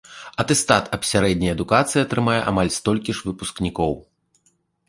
Атэстат аб сярэдняй адукацыі атрымае амаль столькі ж выпускнікоў.